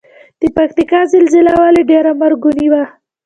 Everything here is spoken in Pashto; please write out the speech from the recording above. د پکتیکا زلزله ولې ډیره مرګونې وه؟